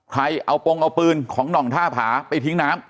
ใครเอาปงเอาปืนของหน่องท่าผาไปทิ้งน้ำ